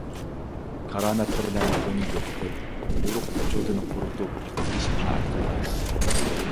كارامەتلىرى بىلەن ئۇنى يوقىتىپ، ئۇرۇق - ۋۇجۇدىنى قۇرۇتۇپ، بىزگە شاپائەت قىلغايلا.